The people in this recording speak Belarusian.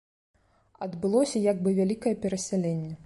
Адбылося як бы вялікае перасяленне.